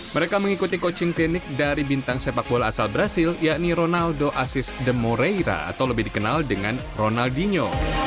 mereka mengikuti coaching klinik dari bintang sepak bola asal brazil yakni ronaldo asis demoreira atau lebih dikenal dengan ronaldinho